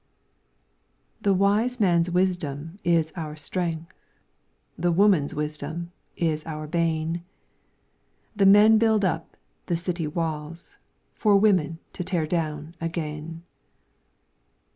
The wise man's wisdom is our strength, The woman''s wisdom is our bane. The men build up the city walls For women to tear down again.